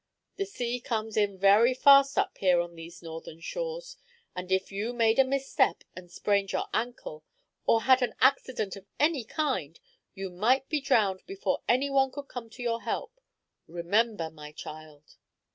The sea comes in very fast up here on these northern shores, and if you made a misstep and sprained your ankle, or had an accident of any kind, you might be drowned before any one could come to your help. Remember, my child."